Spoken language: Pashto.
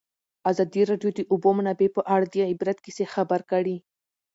ازادي راډیو د د اوبو منابع په اړه د عبرت کیسې خبر کړي.